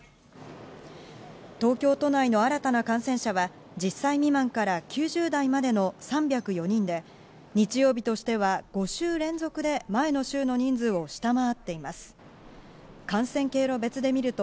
東京都内の新たな感染者は１０歳未満から９０代までの３０４人で日曜日としては、５週連続で前の週の人数を下回っています。